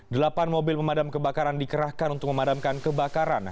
delapan mobil pemadam kebakaran dikerahkan untuk memadamkan kebakaran